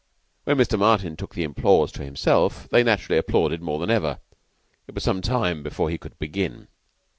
When Mr. Martin took the applause to himself, they naturally applauded more than ever. It was some time before he could begin.